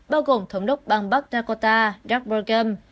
bao gồm thống đốc bang bắc dakota doug brigham